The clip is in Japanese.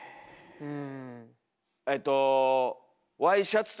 うん。